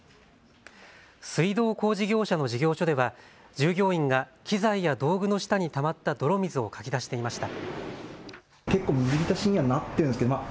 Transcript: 水道工事業者の事業所では従業員が機材や道具の下にたまった泥水をかき出していました。